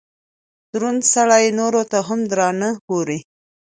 دروند سړئ نورو ته هم درانه ګوري